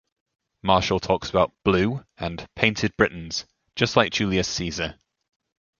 Martial talks about "blue" and "painted Britons", just like Julius Caesar.